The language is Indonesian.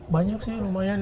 banyak sih lumayan